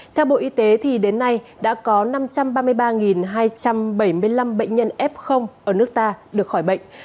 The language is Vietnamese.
theo bộ y tế đến nay đã có năm trăm ba mươi ba hai trăm bảy mươi năm bệnh nhân f ở nước ta được khỏi bệnh